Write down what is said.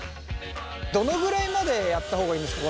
どのぐらいまでやった方がいいんですか